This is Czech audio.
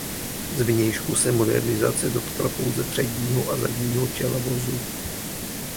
Zvnějšku se modernizace dotkla pouze předního a zadního čela vozu.